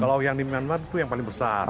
kalau yang di myanmar itu yang paling besar